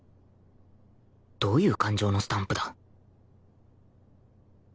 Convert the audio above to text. どういう感情のスタンプだ